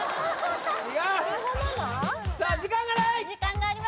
違うさあ時間がない！